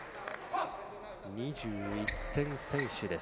２１点先取です。